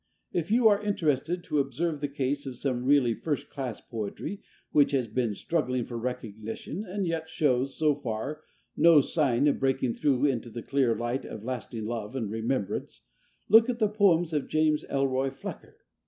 If you are interested to observe the case of some really first class poetry which has been struggling for recognition and yet shows, so far, no sign of breaking through into the clear light of lasting love and remembrance, look at the poems of James Elroy Flecker.